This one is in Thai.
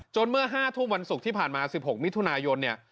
เมื่อ๕ทุ่มวันศุกร์ที่ผ่านมา๑๖มิถุนายนเนี่ย